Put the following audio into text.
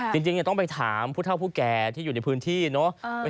จริงต้องไปถามผู้เท่าผู้แก่ที่อยู่ในพื้นที่เนอะ